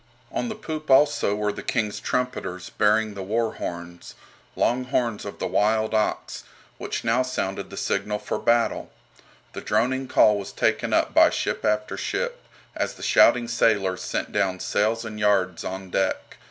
On the poop also were the King's trumpeters bearing the "war horns" long horns of the wild ox, which now sounded the signal for battle. The droning call was taken up by ship after ship, as the shouting sailors sent down sails and yards on deck.